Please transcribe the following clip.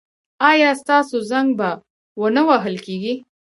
ایا ستاسو زنګ به و نه وهل کیږي؟